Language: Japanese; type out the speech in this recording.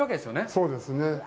そうですね。